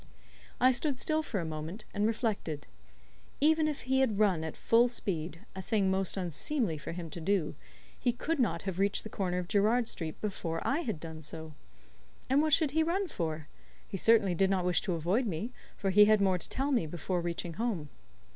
I stood still for a moment, and reflected. Even if he had run at full speed a thing most unseemly for him to do he could not have reached the corner of Gerrard Street before I had done so. And what should he run for? He certainly did not wish to avoid me, for he had more to tell me before reaching home.